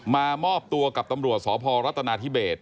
มามอบตัวกับตำรวจสพรัฐนาธิเบส